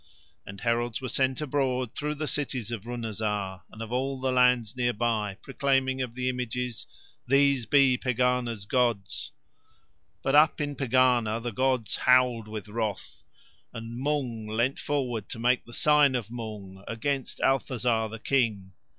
And heralds were sent abroad through the cities of Runazar and of all the lands near by, proclaiming of the images: "These be Pegāna's gods." But up in Pegāna the gods howled with wrath and Mung leant forward to make the sign of Mung against Althazar the King.